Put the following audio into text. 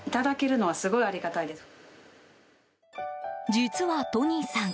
実はトニーさん